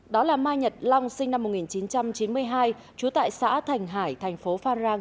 đó là mai nhật long sinh năm một nghìn chín trăm chín mươi hai trú tại xã thành hải thành phố phan rang